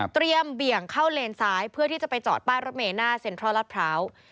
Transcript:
เบี่ยงเข้าเลนซ้ายเพื่อที่จะไปจอดป้ายรถเมลหน้าเซ็นทรัลลาดพร้าว